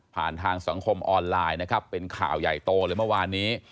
ทางสังคมออนไลน์นะครับเป็นข่าวใหญ่โตเลยเมื่อวานนี้